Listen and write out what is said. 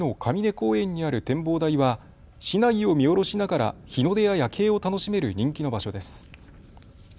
公園にある展望台は市内を見下ろしながら日の出や夜景を楽しめる人気の場所です。